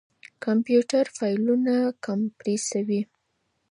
کمپيوټر فايلونه کمپريسوي.